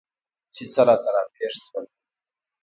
چې څه راته راپېښ شول؟